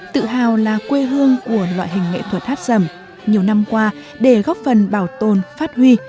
tự hào là quê hương của loại hình nghệ thuật hát sầm nhiều năm qua để góp phần bảo tồn phát huy